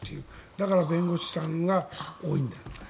だから弁護士が多いんだよ。